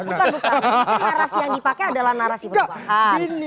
bukan bukan narasi yang dipakai adalah narasi perubahan